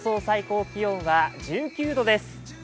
最高気温は１９度です。